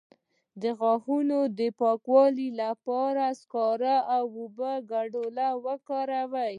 د غاښونو د پاکوالي لپاره د سکرو او اوبو ګډول وکاروئ